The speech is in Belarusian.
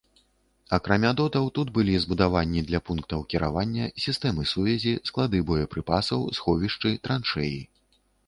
Акрамя дотаў, тут былі збудаванні для пунктаў кіравання, сістэмы сувязі, склады боепрыпасаў, сховішчы, траншэі.